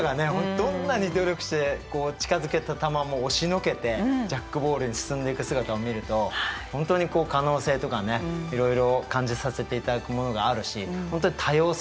どんなに努力して近づけた球も押しのけてジャックボールに進んでいく姿を見ると本当に可能性とかねいろいろ感じさせていただくものがあるし本当に多様性